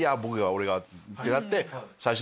「俺が」ってなって。